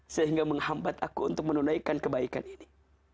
sehingga menghambat aku untuk menunaikan kebaikan ini